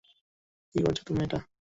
কী করেছ তুমি এটা!